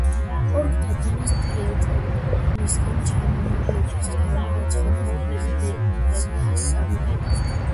ორკთა დინასტია სწორედ მისგან ჩამომავლობის გამო აცხადებდა პრეტენზიას სამეფო ტახტზე.